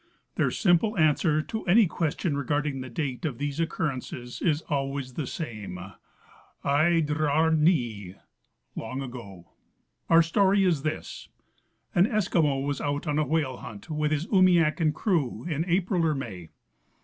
Their simple answer to any question regarding the date of these occurrences is alwaj^s the same, '' eidrarnee " (long ago). Our story is this : An Eskimo was out on a whale hunt with his umiak and crew (in April or May).